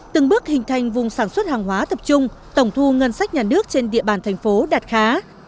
từng bước hình thành vùng sản xuất hàng hóa tập trung tổng thu ngân sách nhà nước trên địa bàn thành phố đạt khá